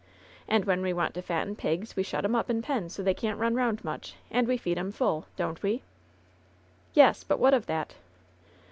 "And when we want to fatten pigs, we shut *em up in pens so they can't run round much, and we feed 'em full, don't we?" "Yesl But what of that?"